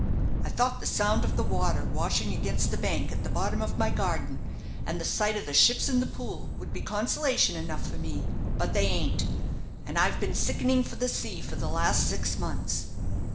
I thought the sound of the water washing against the bank at the bottom of my garden, and the sight of the ships in the Pool, would be consolation enough for me, but they ain't, and I've been sickening for the sea for the last six mouths.